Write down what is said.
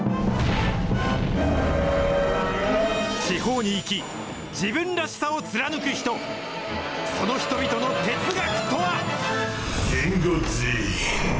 地方に生き、自分らしさを貫く人、その人々の哲学とは。